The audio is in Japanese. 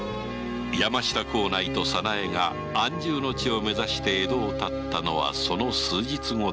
山下幸内と早苗が安住の地を目指して江戸を発ったのはその数日後であった